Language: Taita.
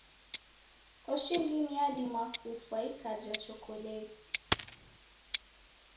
Koshi ndini yadima kufwa ikaja chokoleti.